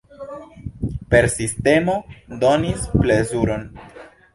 Persistemo donis plezuron!